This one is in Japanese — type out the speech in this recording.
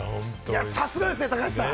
さすがですね、高橋さん。